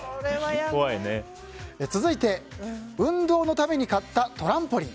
続いて運動のために買ったトランポリン。